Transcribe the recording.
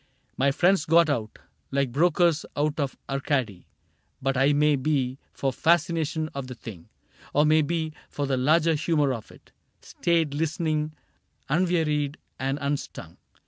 My friends got out. Like brokers out of Arcady ; but I — May be for fascination of the thing. Or may be for the larger humor of it — Stayed listening, unwearied and unstung.